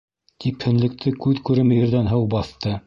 Типһенлекте күҙ күреме ерҙән һыу баҫты.